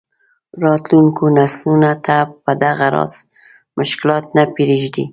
راتلونکو نسلونو ته به دغه راز مشکلات نه پرېږدي.